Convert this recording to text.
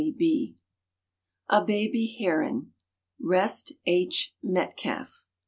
96 A BABY HERON. REST H. METCALF.